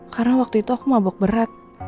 karena waktu itu aku mabok berat